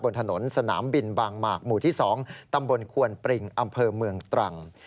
บนถนนสนามบินบางหมากหมู่ที่๒ตำบลควนปริงอำเภอเมืองตรัง